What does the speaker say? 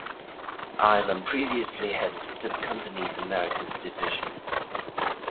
Eilam previously headed the company's Americas division.